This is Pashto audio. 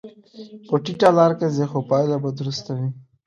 په ټیټه لار کې ځې، خو پایله به درسته وي.